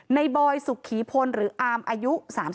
บอยสุขีพลหรืออามอายุ๓๓